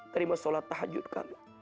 terima sholat tahajud kami